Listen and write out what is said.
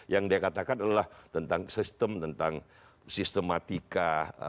yang dikatakan adalah tentang sistem tentang sistematika